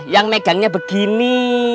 yang megangnya begini